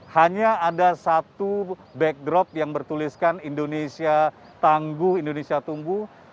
hanya ada satu backdrop yang bertuliskan indonesia tangguh indonesia tumbuh